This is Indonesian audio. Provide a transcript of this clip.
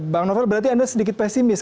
bang novel berarti anda sedikit pesimis